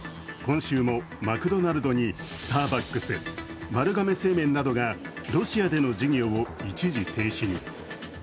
今週もマクドナルドにスターバックス丸亀製麺などがロシアでの事業を一時停止に。